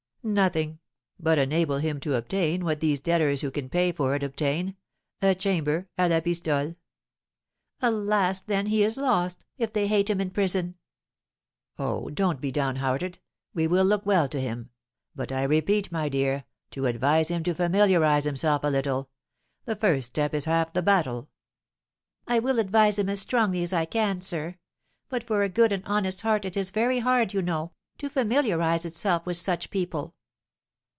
"Nothing, but enable him to obtain what these debtors who can pay for it obtain, a chamber, à la pistole." "Alas, then, he is lost, if they hate him in prison." "Oh, don't be downhearted, we will look well to him. But I repeat, my dear, do advise him to familiarise himself a little, the first step is half the battle." "I will advise him as strongly as I can, sir. But for a good and honest heart it is very hard, you know, to familiarise itself with such people."